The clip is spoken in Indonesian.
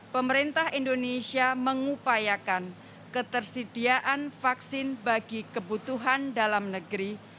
pemerintah indonesia mengupayakan ketersediaan vaksin bagi kebutuhan dalam negeri